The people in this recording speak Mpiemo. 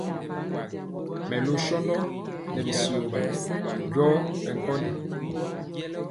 Mɛlu shɔgi nɛ bityio wa njɔɔ bɛ nkondi.